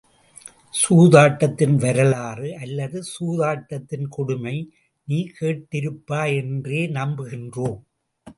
சூதாட்டத்தின் வரலாறு அல்லது சூதாட்டத்தின் கொடுமை நீ கேட்டிருப்பாய் என்றே நம்புகின்றோம்.